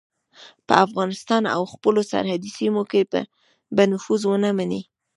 په افغانستان او خپلو سرحدي سیمو کې به نفوذ ونه مني.